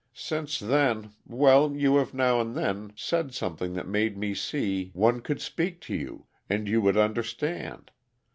Since then well, you have now and then said something that made me see one could speak to you, and you would understand.